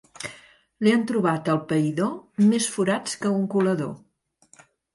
Li han trobat al païdor més forats que a un colador.